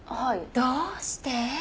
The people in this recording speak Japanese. どうして？